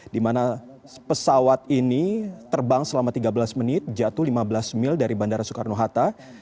di mana pesawat ini terbang selama tiga belas menit jatuh lima belas mil dari bandara soekarno hatta